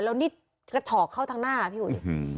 แล้วนี่กระฉอกเข้าทางหน้าพี่อุ๋ย